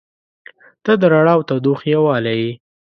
• ته د رڼا او تودوخې یووالی یې.